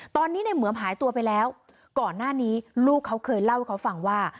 ตอนนี้ในเหมือมหายตัวไปแล้วก่อนหน้านี้ลูกเขาเคยเล่าให้เขาฟังว่า